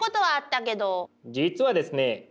実はですね